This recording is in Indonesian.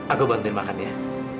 aku bantuin makan ya